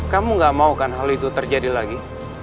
kamu gak mau kan hal itu terjadi lagi